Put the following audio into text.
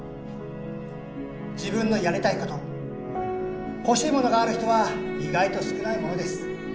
自分のやりたいこと欲しいものがある人は意外と少ないものです